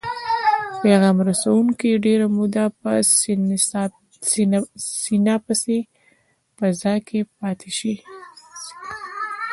پیغام رسوونکي ډیره موده په سیناپسي فضا کې پاتې شي.